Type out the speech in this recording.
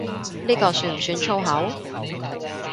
呢個算唔算粗口？